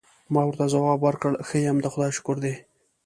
ما ورته ځواب ورکړ: ښه یم، د خدای شکر دی.